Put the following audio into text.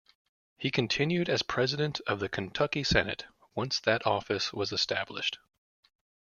He continued as President of the Kentucky Senate once that office was established.